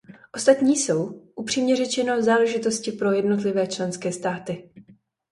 Ostatní jsou, upřímně řečeno, záležitosti pro jednotlivé členské státy.